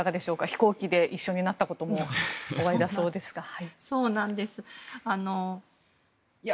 飛行機で一緒になったこともおありだそうですが。